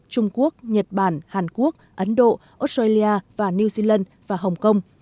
trung quốc nhật bản hàn quốc ấn độ australia và new zealand và hồng kông